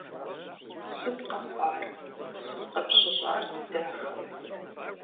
Сыт къэхъуар, сыт къыпщыщӏар, дахэ?